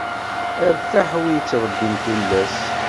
Iṛtaḥ wi ittṛebbin tullas.